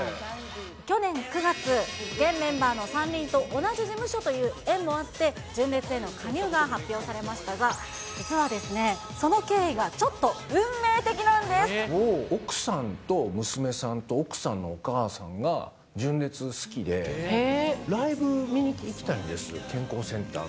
去年９月、現メンバーの３人と同じ事務所という縁もあって、純烈への加入が発表されましたが、実はその経緯がちょっと運命的な奥さんと娘さんと奥さんのお母さんが純烈好きで、ライブ見に行きたいんです、健康センターの。